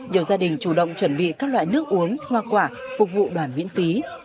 nhiều gia đình chủ động chuẩn bị các loại nước uống hoa quả phục vụ đoàn miễn phí